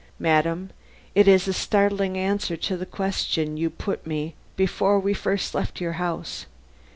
"Madam, it is a startling answer to the question you put me before we first left your house.